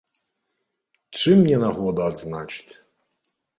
Чым не нагода адзначыць!